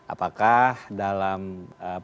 apakah dalam permohonan